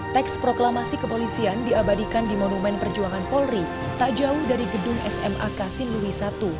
teks proklamasi kepolisian diabadikan di monumen perjuangan polri tak jauh dari gedung sma kasiluwi i